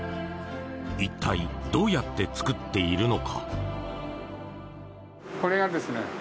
一体どうやって作っているのか？